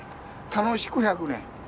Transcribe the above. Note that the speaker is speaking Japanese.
楽しく１００年。